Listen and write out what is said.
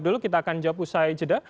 dulu kita akan jawab usai jeda